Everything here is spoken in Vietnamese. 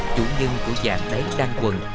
chủ nhân của vàng tấy đan quần